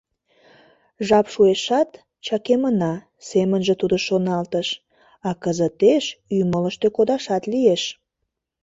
"Жап шуэшат, чакемына, - семынже тудо шоналтыш, - а кызытеш ӱмылыштӧ кодашат лиеш".